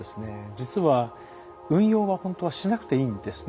実は運用は本当はしなくていいんですね。